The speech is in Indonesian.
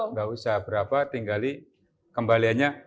nggak usah berapa tinggal kembaliannya